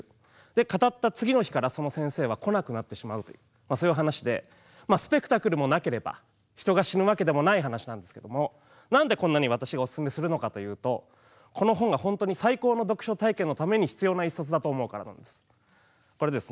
で、語った次の日から先生は来なくなってしまうというそういうお話でスペクタクルもなければ人が死ぬわけでもない話なんですがなんで、こんなに私がおすすめするのかというとこの本が本当に最高の読書体験のために必要な一冊だと思うからなんです。